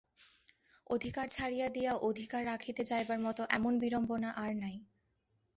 অধিকার ছাড়িয়া দিয়া অধিকার রাখিতে যাইবার মতো এমন বিড়ম্বনা আর নাই।